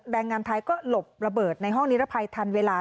งานไทยก็หลบระเบิดในห้องนิรภัยทันเวลา